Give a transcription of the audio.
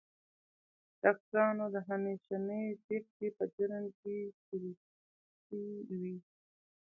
ډاکټرانو د همېشنۍ تېښتې په جرم کې شریکې وې.